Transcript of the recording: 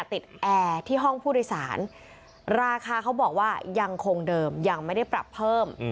แอร์ที่ห้องผู้โดยสารราคาเขาบอกว่ายังคงเดิมยังไม่ได้ปรับเพิ่ม